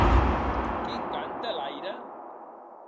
Quin can te laire?